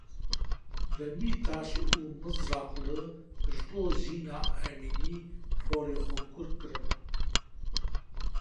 Demîrtaş û Mizrakli ji bo Jîna Emînî porê xwe kur kirin.